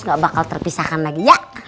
gak bakal terpisahkan lagi ya